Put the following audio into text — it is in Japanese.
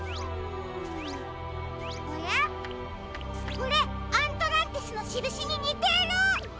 これアントランティスのしるしににてる！